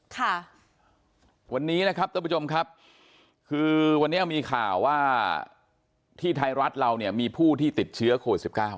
ค่ะวันนี้นะครับท่านผู้ชมครับคือวันนี้มีข่าวว่าที่ไทยรัฐเราเนี่ยมีผู้ที่ติดเชื้อโควิดสิบเก้า